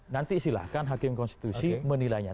nanti silahkan hakim konstitusi menilainya